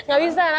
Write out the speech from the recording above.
gak bisa ya